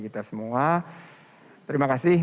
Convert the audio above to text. kita semua terima kasih